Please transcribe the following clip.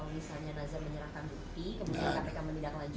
nazar menyerahkan bukti kemudian mereka menindaklanjukan